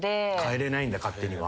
変えれないんだ勝手には。